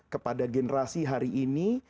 kepada generasi hari ini